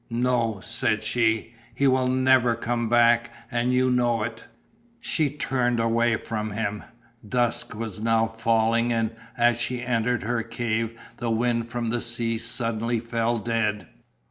"No," said she, "he will never come back and you know it." She turned away from him. Dusk was now falling and as she entered her cave the wind from the sea suddenly fell dead.